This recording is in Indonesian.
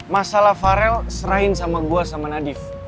masalah farel serahin sama gue sama nadif